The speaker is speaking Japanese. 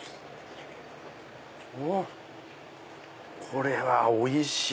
これはおいしい！